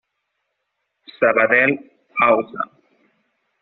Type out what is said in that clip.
Sabadell: Ausa.